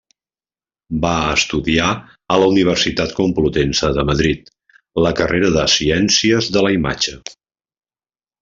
Va estudiar a la Universitat Complutense de Madrid la carrera de Ciències de la Imatge.